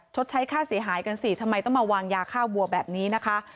ใช้ค่าเสียหายกันสิทำไมต้องมาวางยาฆ่าวัวแบบนี้นะคะ